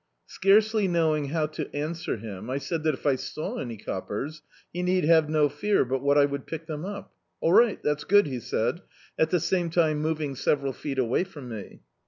Scarcely knowing how to answer him, I said that if I saw any coppers he need have no fear but what I would pick them up. "All right, that's good," he said, at the same time moving several feet away from me.